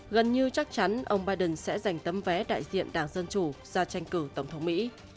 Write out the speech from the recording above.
gần như chắc chắn ông biden sẽ giành tấm vé đại diện đảng dân chủ ra tranh cử tổng thống mỹ